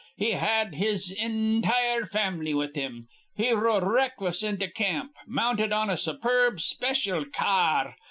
He had his intire fam'ly with him. He r rode recklessly into camp, mounted on a superb specyal ca ar.